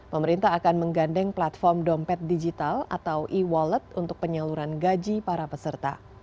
pemerintah akan menggandeng platform dompet digital atau e wallet untuk penyaluran gaji para peserta